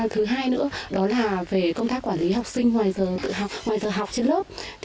thứ hai nữa đó là công tác quản lý học sinh ngoài giờ học trên lớp